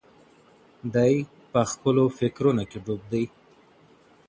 دی په خپلو فکرونو کې ډوب دی.